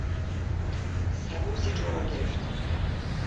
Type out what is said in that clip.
سبوس جو را گرفتن